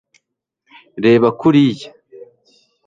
reba kuriya